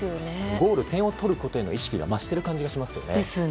ゴール点を取ることへの意識が増している感じがしますよね。